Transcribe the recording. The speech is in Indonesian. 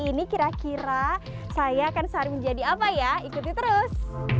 ini kira kira saya akan sehari menjadi apa ya ikuti terus